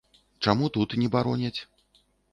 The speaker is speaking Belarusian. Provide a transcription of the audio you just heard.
Чаму тут не бароняць?